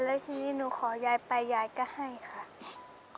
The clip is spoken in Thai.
แล้วทีนี้หนูขอยายไปยายก็ให้ค่ะ